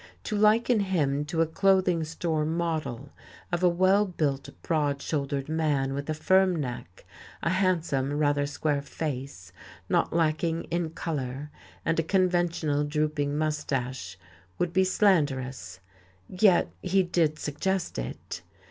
To liken him to a clothing store model of a well built, broad shouldered man with a firm neck, a handsome, rather square face not lacking in colour and a conventional, drooping moustache would be slanderous; yet he did suggest it.